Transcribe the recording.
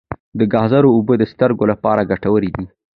د ګازرو اوبه د سترګو لپاره ګټورې دي.